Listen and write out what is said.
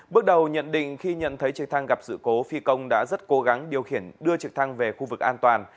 bước đầu nhận định khi nhận thấy trực thăng gặp sự cố phi công đã rất cố gắng điều khiển đưa trực thăng về khu vực an toàn